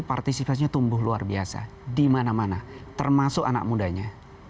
dan partisipasinya tumbuh luar biasa di mana mana termasuk anak mudanya